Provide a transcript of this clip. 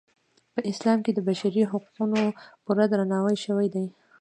په اسلام کې د بشري حقونو پوره درناوی شوی دی.